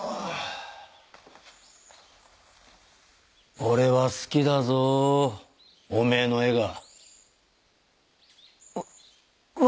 俺は好きだぞおめぇの絵がわ